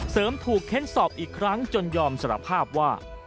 เสริมถูกเค้นสอบอีกครั้งจนยอมสารภาพว่า